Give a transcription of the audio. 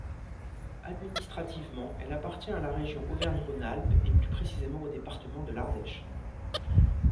Administrativement, elle appartient à la région Auvergne-Rhône-Alpes et plus précisément au département de l'Ardèche.